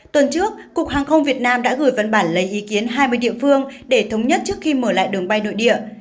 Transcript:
tuần trước cục hàng không việt nam đã gửi văn bản lấy ý kiến hai mươi địa phương để thống nhất trước khi mở lại đường bay nội địa